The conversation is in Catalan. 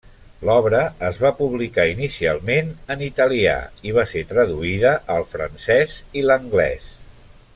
L'obra es va publicar inicialment en italià i va ser traduïda al francès i l'anglès.